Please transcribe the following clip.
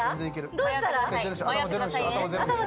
どうしたら？